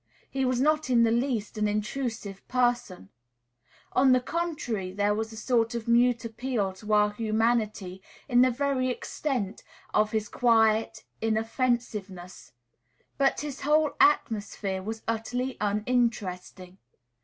He was not in the least an intrusive person, on the contrary, there was a sort of mute appeal to our humanity in the very extent of his quiet inoffensiveness; but his whole atmosphere was utterly uninteresting.